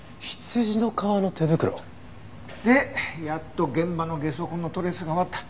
羊の革の手袋？でやっと現場のゲソ痕のトレースが終わった。